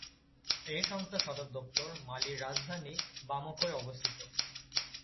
এই সংস্থার সদর দপ্তর মালির রাজধানী বামাকোয় অবস্থিত।